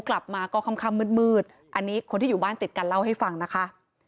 กลับมาก็ค่ำมืดอันนี้คนที่อยู่บ้านติดกันเล่าให้ฟังนะคะ